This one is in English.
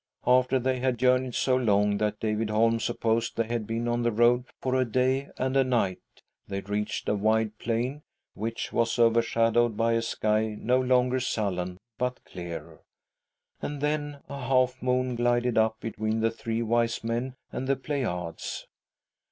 After they had journeyed so long that David Holm supposed they had been on the road for a day and a night they reached a wide plain which was overshadowed by a sky no longer sullen but clear, and then a half moon glided up between the Three Wise Men and the Pleiades.